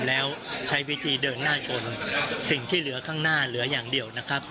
แล้วใช้วิธีเดินหน้าชนสิ่งที่เหลือข้างหน้าเหลืออย่างเดียวนะครับ